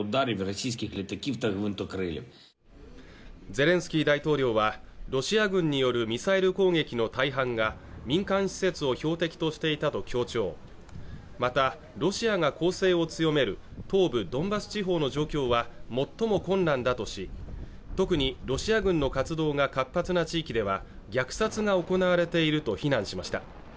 ゼレンスキー大統領はロシア軍によるミサイル攻撃の大半が民間施設を標的としていたと強調またロシアが攻勢を強める東部ドンバス地方の状況は最も困難だとし特にロシア軍の活動が活発な地域では虐殺が行われていると非難しました